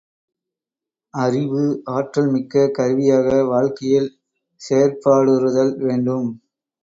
அறிவு, ஆற்றல் மிக்க கருவியாக வாழ்க்கையில் செயற்பாடுறுதல் வேண்டும்.